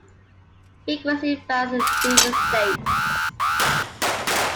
Frequency varies in different states.